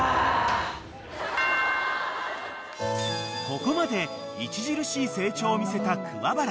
［ここまで著しい成長を見せた桑原］